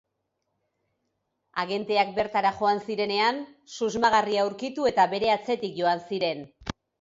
Agenteak bertara joan zirenean, susmagarria aurkitu eta bere atzetik joan ziren.